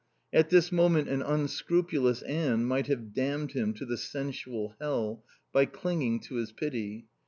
At this moment an unscrupulous Anne might have damned him to the sensual hell by clinging to his pity.